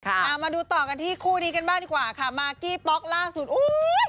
เอามาดูต่อกันที่คู่นี้กันบ้างดีกว่าค่ะมากกี้ป๊อกล่าสุดอุ้ย